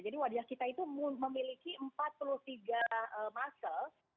jadi wajah kita itu memiliki empat puluh tiga muscle